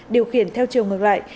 điều khiển theo chiều ngược lại